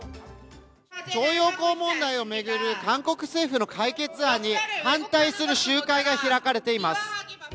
徴用工問題を巡る韓国政府の解決案に反対する集会が開かれています。